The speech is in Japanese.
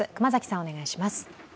お願いします。